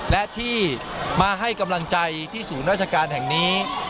และที่มาให้กำลังใจที่ศูนย์ราชการแห่งนี้